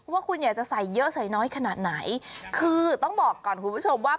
ว่าคุณอยากจะใส่เยอะใส่น้อยขนาดไหนคือต้องบอกก่อนคุณผู้ชมว่า